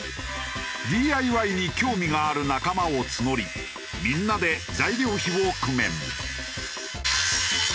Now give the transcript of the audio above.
ＤＩＹに興味がある仲間を募りみんなで材料費を工面。